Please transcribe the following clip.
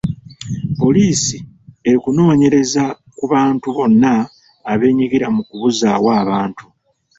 Poliisi ekunoonyereza ku bantu bonna abeenyigira mu kubuzaawo abantu.